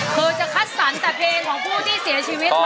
คือจะคัดสรรแต่เพลงของผู้ที่เสียชีวิต